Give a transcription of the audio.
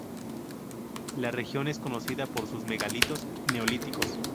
La región es conocida por sus megalitos neolíticos.